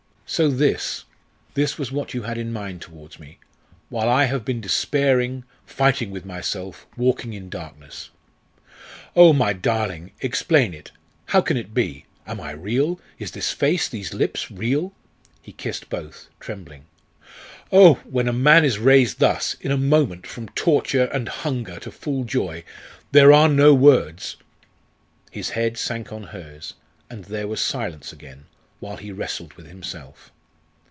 "So this this was what you had in your mind towards me, while I have been despairing fighting with myself, walking in darkness. Oh, my darling! explain it. How can it be? Am I real? Is this face these lips real?" he kissed both, trembling. "Oh! when a man is raised thus in a moment from torture and hunger to full joy, there are no words " His head sank on hers, and there was silence again, while he wrestled with himself.